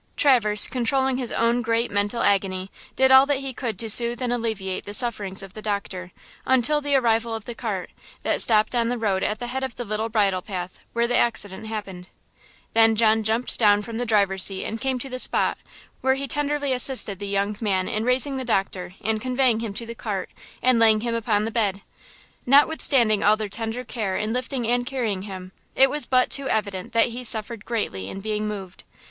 Traverse, controlling his own great mental agony, did all that he could to soothe and alleviate the sufferings of the doctor, until the arrival of the cart, that stopped on the road at the head of the little bridle path, where the accident happened. Then John jumped from the driver's seat and came to the spot, where he tenderly assisted the young man in raising the doctor and conveying him to the cart and laying him upon the bed. Notwithstanding all their tender care in lifting and carrying him, it was but too evident that he suffered greatly in being moved.